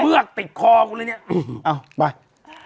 มือกติดคอกูเลยเนี่ย